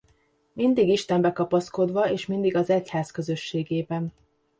Mindig Istenbe kapaszkodva és mindig az Egyház közösségében.